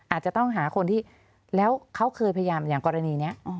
อาจจะต้องหาคนที่แล้วเขาเคยพยายามอย่างกรณีนี้